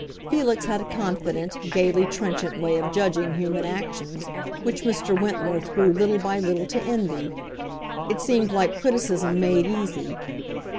Felix had a confident, gayly trenchant way of judging human actions which Mr. Wentworth grew little by little to envy; it seemed like criticism made easy.